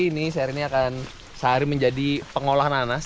ini sehari ini akan sehari menjadi pengolah nanas